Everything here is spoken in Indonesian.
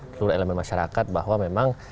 seluruh elemen masyarakat bahwa memang